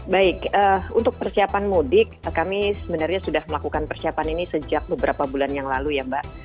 baik untuk persiapan mudik kami sebenarnya sudah melakukan persiapan ini sejak beberapa bulan yang lalu ya mbak